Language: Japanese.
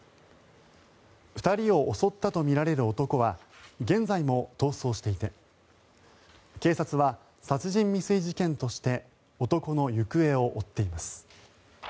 ２人を襲ったとみられる男は現在も逃走していて警察は殺人未遂事件として男の行方を追っています。